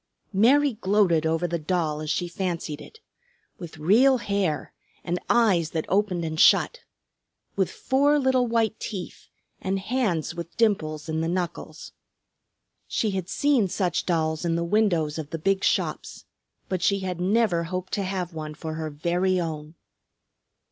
Mary gloated over the doll as she fancied it; with real hair, and eyes that opened and shut; with four little white teeth, and hands with dimples in the knuckles. She had seen such dolls in the windows of the big shops. But she had never hoped to have one for her very own.